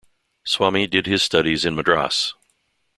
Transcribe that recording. Swamy did his studies in Madras.